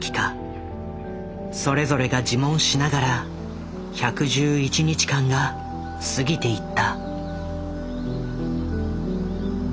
それぞれが自問しながら１１１日間が過ぎていった。